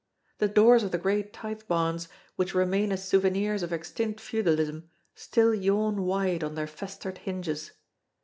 The doors of the great tithe barns which remain as souvenirs of extinct feudalism, still yawn wide on their festered hinges.